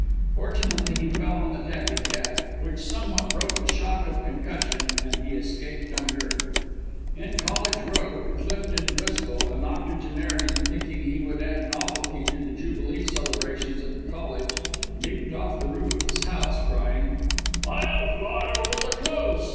Fortunately, he fell on the tabby cat, which somewhat broke the shock of concussion, and he escaped unhurt. In College Road, Clifton, Bristol, an octogenarian thinking he would add novelty to the Jubilee celebrations at the College, leaped off the roof of his house, crying, "I'll fly over the Close!